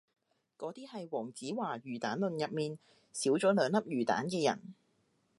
嗰啲係黃子華魚蛋論入面少咗兩粒魚蛋嘅人